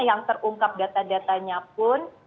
yang terungkap data datanya pun